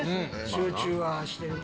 集中はしてると。